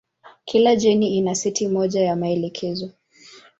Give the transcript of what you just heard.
Kila jeni ina seti moja ya maelekezo.